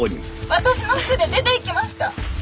私の服で出ていきました。